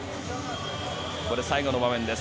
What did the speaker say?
最後の場面です。